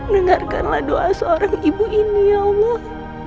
dengarkanlah doa seorang ibu ini ya allah